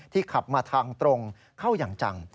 ขับมาทางตรงเข้าอย่างจัง